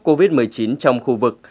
covid một mươi chín trong khu vực